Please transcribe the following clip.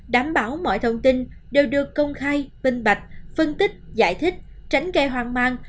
đảm bảo mọi thông tin đều được công khai minh bạch phân tích giải thích tránh gây hoang mang